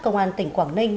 công an tỉnh quảng ninh